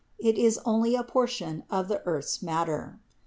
It is only a portion of the earth's matter.